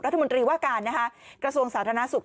รัฐมนตรีว่าการกระทรวงสาธารณสุข